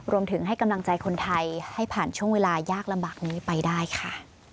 ให้กำลังใจคนไทยให้ผ่านช่วงเวลายากลำบากนี้ไปได้ค่ะ